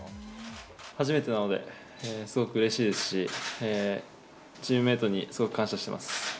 初めてなので、すごくうれしいですし、チームメートにすごく感謝してます。